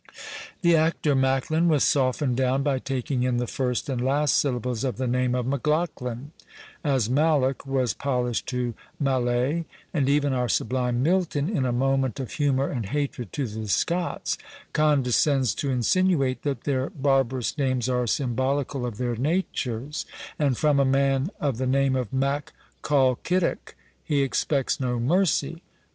The actor Macklin was softened down by taking in the first and last syllables of the name of Macklaughlin, as Malloch was polished to Mallet; and even our sublime Milton, in a moment of humour and hatred to the Scots, condescends to insinuate that their barbarous names are symbolical of their natures, and from a man of the name of Mac Collkittok, he expects no mercy.